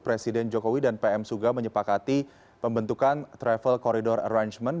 presiden jokowi dan pm suga menyepakati pembentukan travel corridor arrangement